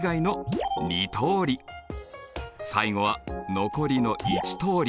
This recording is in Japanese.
最後は残りの１通り。